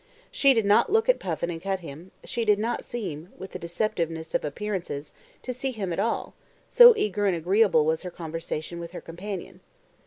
She did not look at Puffin and cut him; she did not seem (with the deceptiveness of appearances) to see him at all, so eager and agreeable was her conversation with her companion.